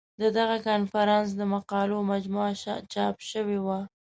د دغه کنفرانس د مقالو مجموعه چاپ شوې وه.